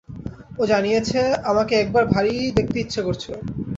ও জানিয়েছে আমাকে একবার ভারি দেখতে ইচ্ছে করছে ওর।